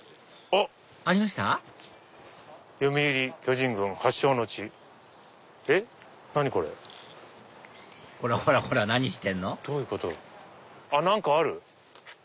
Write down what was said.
あっ何かある！